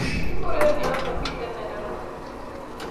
Kiguure yooto mite inendet Rumuruti.